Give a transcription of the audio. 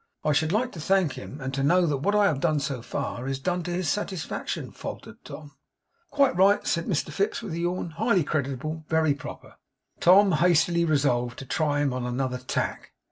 'I should like to thank him, and to know that what I have done so far, is done to his satisfaction,' faltered Tom. 'Quite right,' said Mr Fips, with a yawn. 'Highly creditable. Very proper.' Tom hastily resolved to try him on another tack.